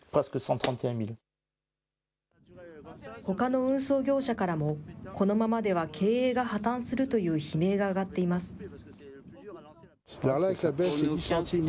ほかの運送業者からも、このままでは経営が破綻するという悲鳴が上がっています。